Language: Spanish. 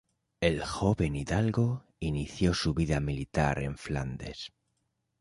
El joven hidalgo, inició su vida militar en Flandes.